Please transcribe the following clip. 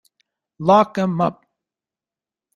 Lock 'em up.